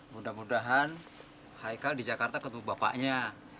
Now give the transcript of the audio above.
mudah mudahan haikal di jakarta ketemu bapaknya